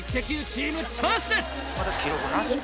チームチャンスです！